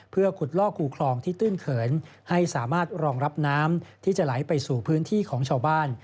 เพื่อขุดลอกคูคลองที่ตื้นเขินให้สามารถรองรับน้ำที่จะไหลไปสู่พื้นที่ของชาวบ้าน